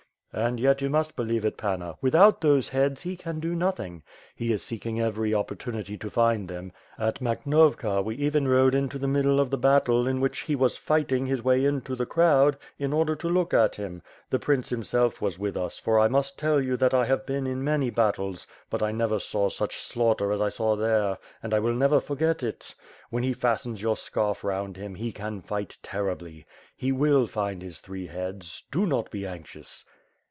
"And yet, you must believe it, Panna; without those heads, he can do nothing. He is seeking every opportunity to find them. At Makhnovka, we even rode into the middle of the battle, in which he was fighting his way in the crowd, in order to look at him. The prince himself was with us, for I must tell you that I have been in many battles, but I never saw such slaughter as I saw there, and I will never forget it. VVlien he fastens your scarf round him, he can fight terribly. He will find his three heads. Do not be anxious."